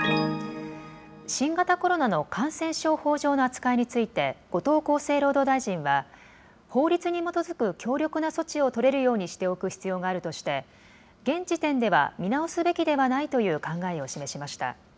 新型コロナの感染症法上の扱いについて、後藤厚生労働大臣は、法律に基づく強力な措置を取れるようにしておく必要があるとして、現時点では見直すべきではないという考えを示しました。